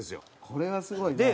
これはすごいね。